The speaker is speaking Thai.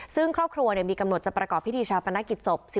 ซึ่งครอบครัวเนี่ยมีกำหนดจะประกอบพิธีชาภัณฑ์กิจศพ